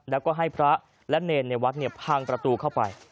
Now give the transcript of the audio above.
แล้วก็ให้พระและเนรในวัดพังประตูเข้าไป